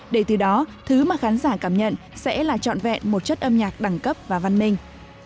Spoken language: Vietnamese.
để từ đó thứ mà khán giả cảm nhận sẽ là trọn vẹn một chất âm nhạc đẳng cấp và văn minh